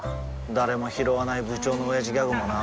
誰もひろわない部長のオヤジギャグもな